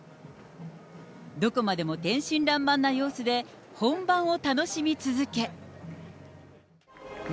どこまでも天真らんまんな様子で、本番を楽しみ続け。